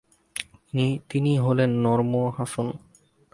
তিনি হলেন 'নম্র হাসন'।